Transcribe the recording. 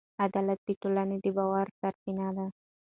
عدالت د ټولنې د باور سرچینه ده.